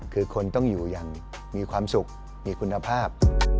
คือคนต้องอยู่อย่างมีความสุขมีคุณภาพ